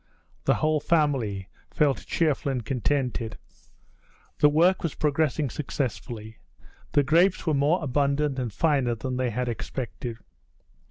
The whole family felt cheerful and contented. The work was progressing successfully. The grapes were more abundant and finer than they had expected.